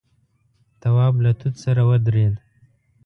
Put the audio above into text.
تواب له توت سره ودرېد.